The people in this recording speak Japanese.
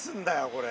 これ。